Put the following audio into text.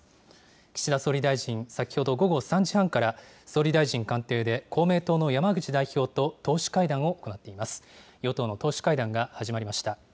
岸田総理大臣、先ほど午後３時半から、総理大臣官邸で公明党の山口代表と、党首会談を行っています。